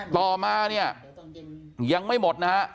ต่อมาเนี่ยยังไม่หมดนะฮะ